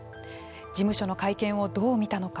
事務所の会見をどう見たのか。